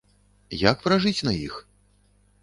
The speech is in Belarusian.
Як пражыць на іх?